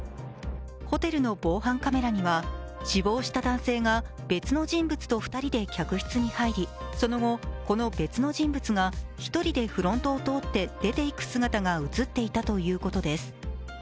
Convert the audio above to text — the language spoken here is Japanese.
ホテルの防犯カメラには死亡した男性が別の人物と２人で客室に入り、その後、この別の人物が１人でフロントを通って出て行く姿が映っていたということです。